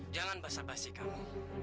jangan basah basi kamu